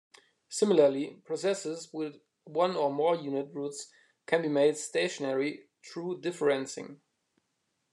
Similarly, processes with one or more unit roots can be made stationary through differencing.